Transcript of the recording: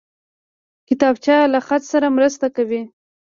کتابچه له خط سره مرسته کوي